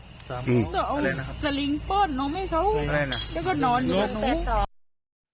ต้องเอาสลิงปลอดนมให้เขาแล้วก็นอนอยู่ตรงนู้น